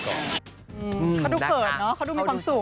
เขาดูเขิดเขาดูมีความสุข